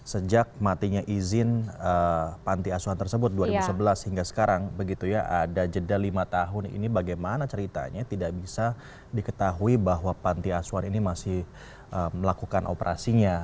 sejak matinya izin panti asuhan tersebut dua ribu sebelas hingga sekarang begitu ya ada jeda lima tahun ini bagaimana ceritanya tidak bisa diketahui bahwa panti asuhan ini masih melakukan operasinya